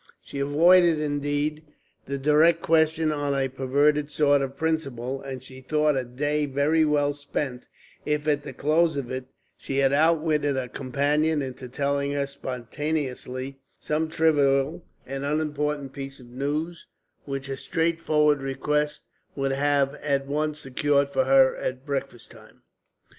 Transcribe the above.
She avoided, indeed, the direct question on a perverted sort of principle, and she thought a day very well spent if at the close of it she had outwitted a companion into telling her spontaneously some trivial and unimportant piece of news which a straightforward request would have at once secured for her at breakfast time.